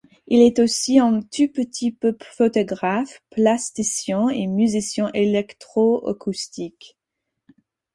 Il est aussi un tout petit peu photographe, plasticien et musicien électro-acoustique.